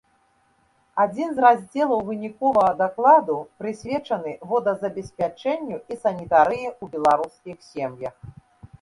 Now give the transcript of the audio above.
Адзін з раздзелаў выніковага дакладу прысвечаны водазабеспячэнню і санітарыі ў беларускіх сем'ях.